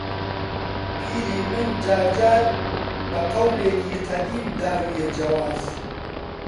پیری من جار جار بە قەولێکی قەدیم داویە جەواز